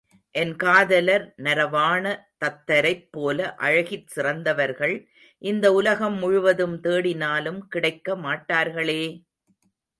என் காதலர் நரவாண தத்தரைப்போல அழகிற் சிறந்தவர்கள் இந்த உலகம் முழுவதும் தேடினாலும் கிடைக்க மாட்டார்களே!